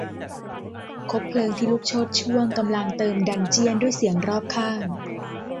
คบเพลิงที่ลุกโชติช่วงกำลังเติมดันเจี้ยนด้วยเสียงรอบข้าง